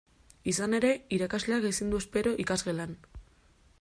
Izan ere, irakasleak ezin du espero ikasgelan.